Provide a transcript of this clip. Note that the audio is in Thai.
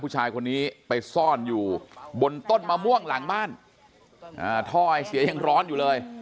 ผู้ชายคนนี้ไปซ่อนอยู่บนต้นมะม่วงหลังบ้านท่อไอเสียยังร้อนอยู่เลย